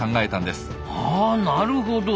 あなるほど。